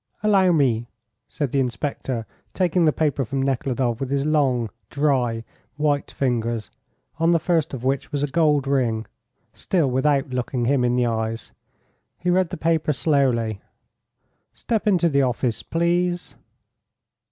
"Allow me," said the inspector, taking the paper from Nekhludoff with his long, dry, white fingers, on the first of which was a gold ring, still without looking him in the eyes. He read the paper slowly. "Step into the office, please."